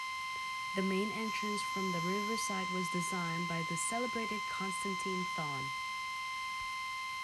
The main entrance from the riverside was designed by the celebrated Konstantin Thon.